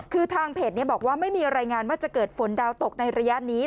คือทางเพจบอกว่าไม่มีรายงานว่าจะเกิดฝนดาวตกในระยะนี้